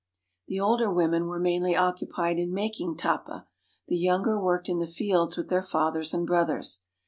The older women were mainly occupied in mak ing lappa; the younger worked in the fields with their fathers and brothers.